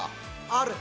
ある。